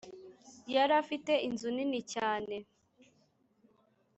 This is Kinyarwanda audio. Yarafite inzu nini cyane